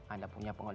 anda punya pengolahan